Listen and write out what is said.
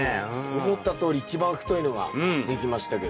思ったとおり一番太いのができましたけど。